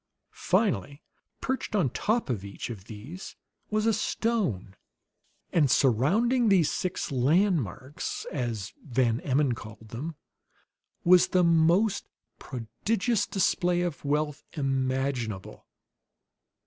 Finally, perched on the top of each of these was a stone; and surrounding these six "landmarks," 'as Van Emmon called them, was the most prodigious display of wealth imaginable.